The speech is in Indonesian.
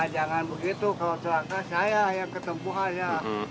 jangan begitu kalau celaka saya yang ketempuhannya